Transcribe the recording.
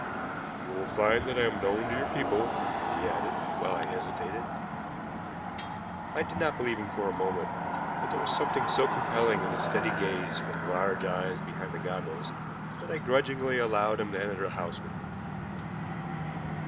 "You will find that I am known to your people," he added while I hesitated. I did not believe him for a moment, but there was something so compelling in the steady gaze from the large eyes behind the goggles that I grudgingly allowed him to enter the house with me.